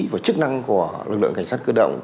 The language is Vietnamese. và chức năng của lực lượng cảnh sát cơ động